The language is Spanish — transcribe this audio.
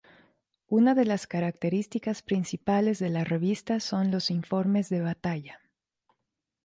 Una de las características principales de la revista son los "Informes de Batalla".